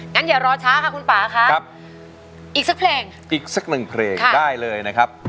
งั้นอย่ารอช้าค่ะคุณป่าครับอีกสักเพลงอีกสักหนึ่งเพลงได้เลยนะครับ